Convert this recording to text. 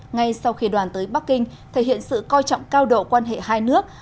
ngay sau khi đoàn tới bắc kinh thể hiện sự coi trọng cao độ quan hệ hai nước